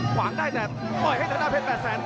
ขวางได้แต่ปล่อยให้ธนาเพชร๘แสน